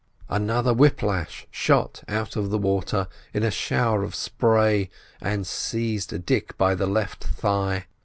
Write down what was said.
Another whip lash shot out of the water in a shower of spray, and seized Dick by the left thigh.